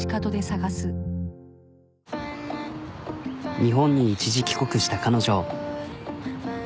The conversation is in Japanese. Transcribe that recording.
日本に一時帰国した彼女。